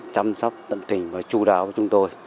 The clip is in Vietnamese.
chăm sóc tận tình và chú đáo của chúng tôi